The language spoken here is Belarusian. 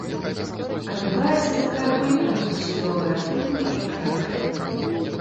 Адбываецца такая гульня ў судовыя артыкулы і параграфы.